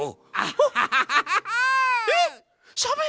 ハハハハハ。